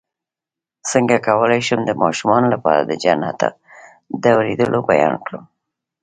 څنګه کولی شم د ماشومانو لپاره د جنت د اوریدلو بیان کړم